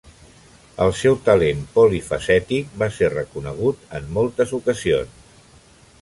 El seu talent polifacètic va ser reconegut en moltes ocasions.